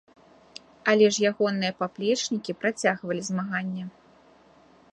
Але ж ягоныя паплечнікі працягвалі змаганне.